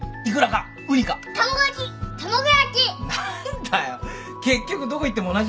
何だよ結局どこ行っても同じじゃねえかよ。